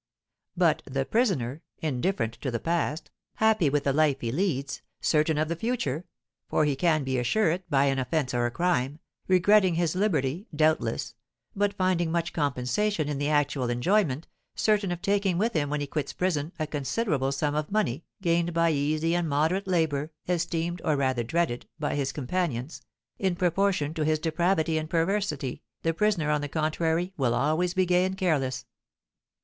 But the prisoner, indifferent to the past, happy with the life he leads, certain of the future (for he can assure it by an offence or a crime), regretting his liberty, doubtless, but finding much compensation in the actual enjoyment, certain of taking with him when he quits prison a considerable sum of money, gained by easy and moderate labour, esteemed, or rather dreaded, by his companions, in proportion to his depravity and perversity, the prisoner, on the contrary, will always be gay and careless.